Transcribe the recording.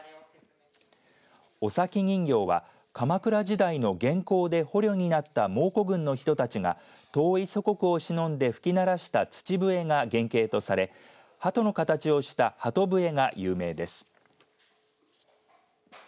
尾崎人形は鎌倉時代の元寇で捕虜になった蒙古軍の人たちが遠い祖国をしのんで吹き鳴らした土笛が原型とされ鳩の形をした鳩笛が有名です。